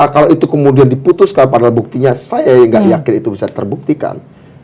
kalau itu kemudian diputuskan padahal buktinya saya nggak yakin itu bisa terbuktikan